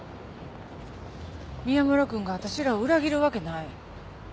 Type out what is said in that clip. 宮村君が私らを裏切るわけない。